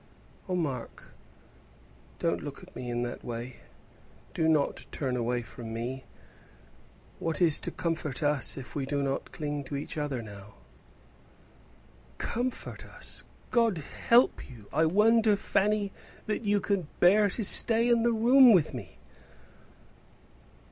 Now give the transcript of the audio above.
"Oh, Mark, don't look at me in that way. Do not turn away from me. What is to comfort us if we do not cling to each other now?" "Comfort us! God help you! I wonder, Fanny, that you can bear to stay in the room with me."